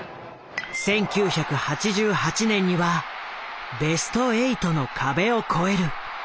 １９８８年にはベスト８の壁を越える。